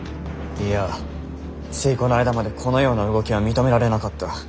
いやついこの間までこのような動きは認められなかった。